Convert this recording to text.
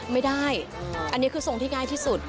ไม่ได้อันนี้คือทรงที่ง่ายที่สุด